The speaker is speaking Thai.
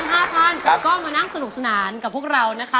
๕ท่านก็มานั่งสนุกสนานกับพวกเรานะคะ